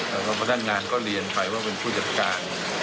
แล้วก็พนักงานก็เรียนไปว่าเป็นผู้จัดการ